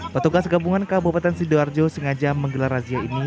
petugas gabungan kabupaten sidoarjo sengaja menggelar razia ini